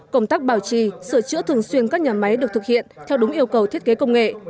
công tác bảo trì sửa chữa thường xuyên các nhà máy được thực hiện theo đúng yêu cầu thiết kế công nghệ